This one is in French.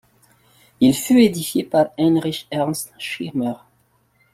Il fut édifié par Heinrich Ernst Schirmer.